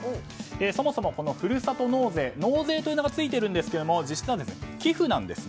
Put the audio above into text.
そもそも、このふるさと納税納税という名がついていますが実は、寄付なんです。